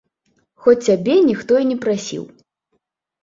Хоць цябе ніхто і не прасіў.